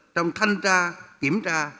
trong thanh tra kiểm tra